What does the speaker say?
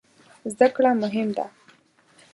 زده کړه مهم ده